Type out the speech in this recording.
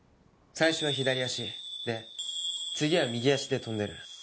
最初は左足で次は右足で跳んでる。